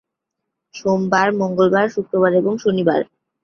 সোমবার, মঙ্গলবার, শুক্রবার এবং শনিবার।